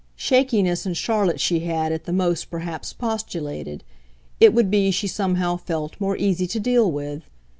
Shakiness in Charlotte she had, at the most, perhaps postulated it would be, she somehow felt, more easy to deal with.